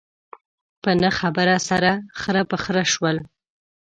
په نه خبره سره خره په خره شوي.